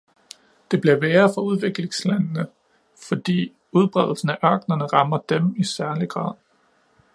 Det bliver værre for udviklingslandene, fordi udbredelsen af ørknerne rammer dem i særlig grad.